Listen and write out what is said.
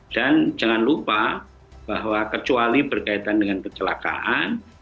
dan jangan lupa bahwa kecuali berkaitan dengan kecelakaan